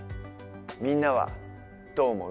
みんなはどう思う？